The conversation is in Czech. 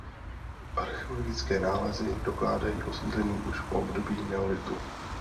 Archeologické nálezy dokládají osídlení už v období neolitu.